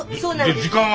で時間は？